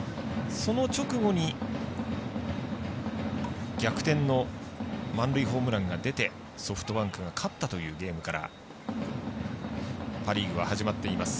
その直後に逆転の満塁ホームランが出てソフトバンクが勝ったというゲームからパ・リーグは始まっています。